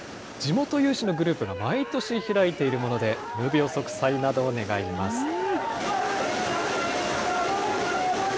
地元有志のグループが毎年開いているもので、無病息災などを願います。